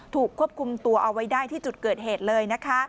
ถูกควบคุมตัวเอาไว้ได้ที่จุดเกิดเหตุเลยนะคะ